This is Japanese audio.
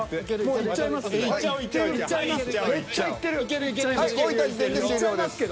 行っちゃいますけど。